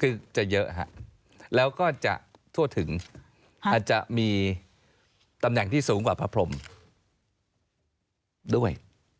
คือจะเยอะแล้วก็จะทั่วถึงอาจจะมีตำแหน่งที่สูงกว่าพระพรมด้วย